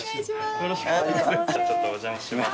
よろしくお願いします。